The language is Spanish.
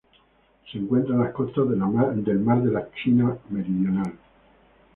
Se encuentra en las costas de la mar de la China Meridional.